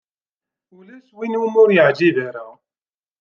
Ulac win umi ur yeɛjib ara.